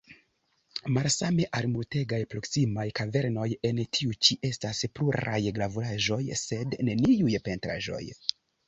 Malsame al multegaj proksimaj kavernoj, en tiu ĉi estas pluraj gravuraĵoj, sed neniuj pentraĵoj.